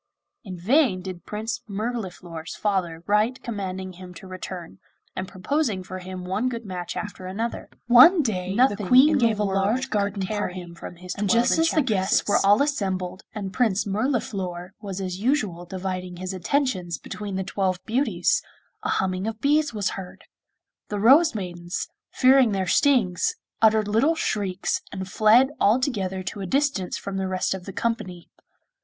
In vain did Prince Mirliflor's father write commanding him to return, and proposing for him one good match after another. Nothing in the world could tear him from his twelve enchantresses. One day the Queen gave a large garden party, and just as the guests were all assembled, and Prince Mirliflor was as usual dividing his attentions between the twelve beauties, a humming of bees was heard. The Rose maidens, fearing their stings, uttered little shrieks, and fled all together to a distance from the rest of the company.